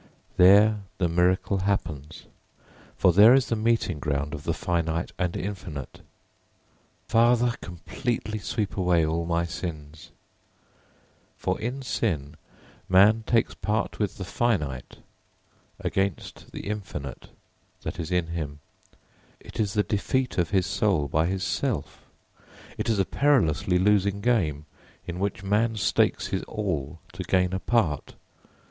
There the miracle happens, for there is the meeting ground of the finite and infinite. Father, completely sweep away all my sins! [Footnote: Vishvānidēva savitar duratāni parāsuva.] For in sin man takes part with the finite against the infinite that is in him. It is the defeat of his soul by his self. It is a perilously losing game, in which man stakes his all to gain a part.